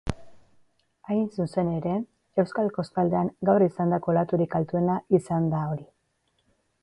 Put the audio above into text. Hain zuzen ere, euskal kostaldean gaur izandako olaturik altuena izan da hori.